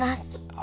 あ！